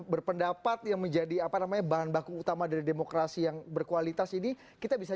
berpendapat yang menjadi apa namanya bahan baku utama dari demokrasi yang berkualitas ini kita bisa